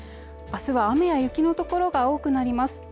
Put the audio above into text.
あすは雨や雪の所が多くなります